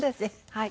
はい。